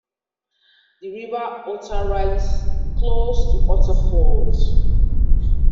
The River Otter rises close to Otterford.